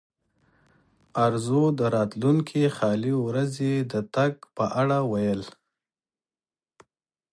ارزو د راتلونکې خالي ورځې د تګ په اړه وویل.